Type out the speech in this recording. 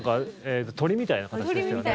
鳥みたいな形ですよね。